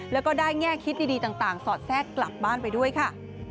แล้วก็ได้แง่คิดดีต่างสอดแทรกกลับบ้านไปด้วยค่ะ